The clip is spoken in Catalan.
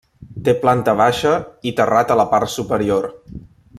Té planta baixa i terrat a la part superior.